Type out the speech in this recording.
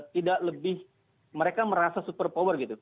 tidak lebih mereka merasa super power gitu